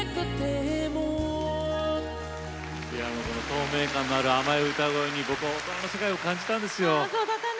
透明感のある甘い歌声に大人の世界を感じたんですよ。